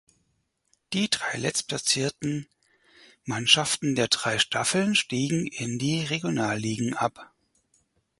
Die drei letztplatzierten Mannschaften der drei Staffeln stiegen in die Regionalligen ab.